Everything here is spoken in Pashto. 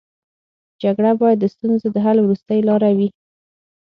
جګړه باید د ستونزو د حل وروستۍ لاره وي